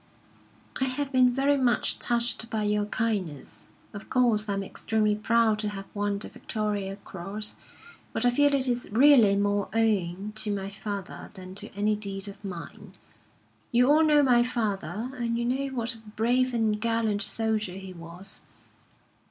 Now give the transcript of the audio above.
"I have been very much touched by your kindness. Of course, I am extremely proud to have won the Victoria Cross, but I feel it is really more owing to my father than to any deed of mine. You all know my father, and you know what a brave and gallant soldier he was.